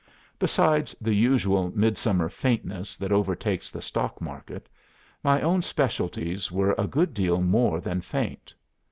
Besides the usual Midsummer faintness that overtakes the stock market, my own specialties were a good deal more than faint.